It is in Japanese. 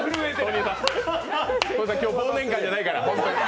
今日忘年会じゃないから。